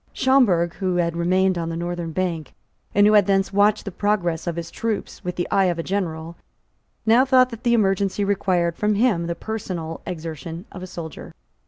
Schomberg, who had remained on the northern bank, and who had thence watched the progress of his troops with the eye of a general, now thought that the emergency required from him the personal exertion of a soldier.